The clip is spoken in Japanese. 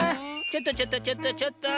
ちょっとちょっとちょっとちょっと。